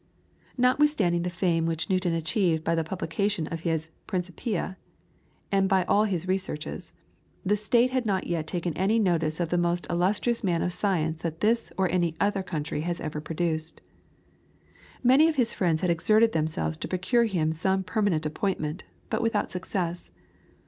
Notwithstanding the fame which Newton had achieved, by the publication of his, "Principia," and by all his researches, the State had not as yet taken any notice whatever of the most illustrious man of science that this or any other country has ever produced. Many of his friends had exerted themselves to procure him some permanent appointment, but without success.